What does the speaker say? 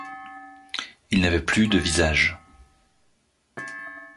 il n’avait plus de visage.